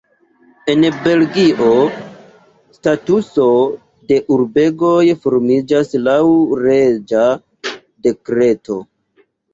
En Belgio statuso de urbegoj formiĝas laŭ reĝa dekreto.